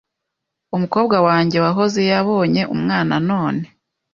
umukobwa wanjye wahoze yabonye umwana none